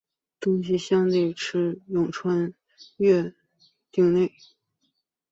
东西向的池上通穿越町内。